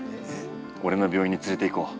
俺の病院に連れていこう。